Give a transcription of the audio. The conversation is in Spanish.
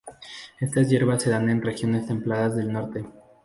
Estas hierbas se dan en regiones templadas del norte.